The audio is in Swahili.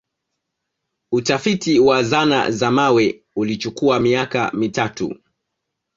Utafiti wa zana za mawe ulichukua miaka mitatu